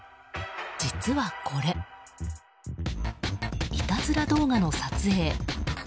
実はこれ、いたずら動画の撮影。